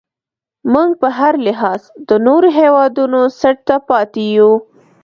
موږ په هر لحاظ له نورو هیوادونو څټ ته پاتې یو.